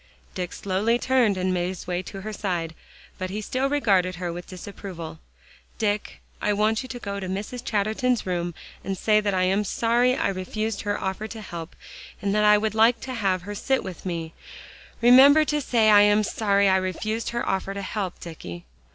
Dick slowly turned and made his way to her side, but he still regarded her with disapproval. "Dick, I want you to go to Mrs. Chatterton's room, and say that I am sorry I refused her offer to help, and that I would like to have her sit with me. Remember, say I am sorry I refused her offer to help, Dicky."